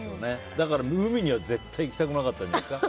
だから、海には絶対行きたくなかったんじゃないですか。